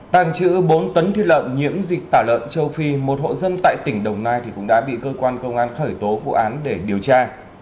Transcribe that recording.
tàng trữ bốn tấn thịt lợn nhiễm dịch tả lợn châu phi một hộ dân tại tỉnh đồng nai cũng đã bị cơ quan công an khởi tố vụ án để điều tra